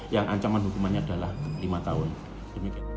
yang ancaman hukumannya adalah lima tahun